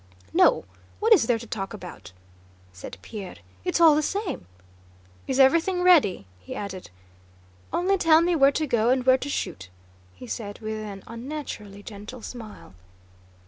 "No! What is there to talk about?" said Pierre. "It's all the same.... Is everything ready?" he added. "Only tell me where to go and where to shoot," he said with an unnaturally gentle smile.